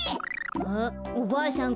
あおばあさん